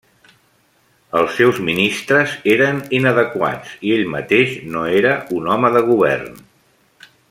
Els seus ministres eren inadequats i ell mateix no era un home de govern.